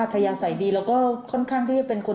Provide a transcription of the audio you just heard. ทยาศัยดีแล้วก็ค่อนข้างที่จะเป็นคน